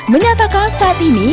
menyatakan saat ini